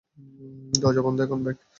দরজা বন্ধ এখন, বেক।